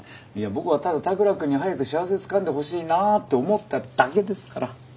僕はただ田倉君に早く幸せつかんでほしいなって思っただけですから。